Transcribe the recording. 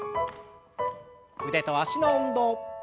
腕と脚の運動。